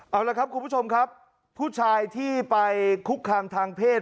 เอาละครับคุณผู้ชมครับผู้ชายที่ไปคุกคามทางเพศ